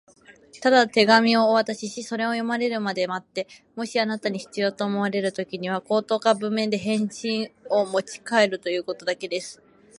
「ただ手紙をお渡しし、それを読まれるまで待って、もしあなたに必要と思われるときには、口頭か文面で返事をもちかえるということだけです」